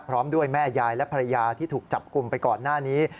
พร้อมด้วยแม่ยายและภรรยาที่ถูกจับกลุ่มไปก่อนหน้านี้